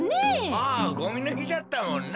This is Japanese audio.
ああゴミのひじゃったもんな。